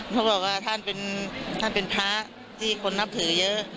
เขาบอกว่าท่านเป็นพระที่คนนับถือเยอะ